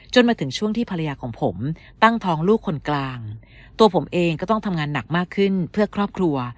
มาถึงช่วงที่ภรรยาของผมตั้งท้องลูกคนกลางตัวผมเองก็ต้องทำงานหนักมากขึ้นเพื่อครอบครัว